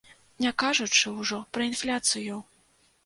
Не кажучы ўжо пра інфляцыю!